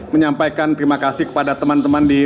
menyampaikan terima kasih kepada teman teman di